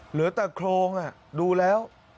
เหลือแต่โครงดูแล้ว